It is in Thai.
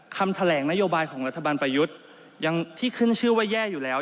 คำแถลงนโยบายของรัฐบาลประยุทธ์ยังที่ขึ้นชื่อว่าแย่อยู่แล้ว